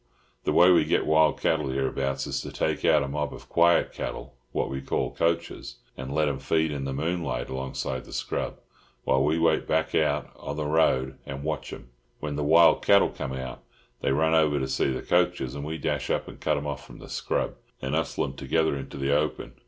The way we get wild cattle here abouts is to take out a mob of quiet cattle, what we call coachers, and let 'em feed in the moonlight alongside the scrub, while we wait back out o' the road and watch 'em. When the wild cattle come out, they run over to see the coachers, and we dash up and cut 'em off from the scrub, and hustle 'em together into the open.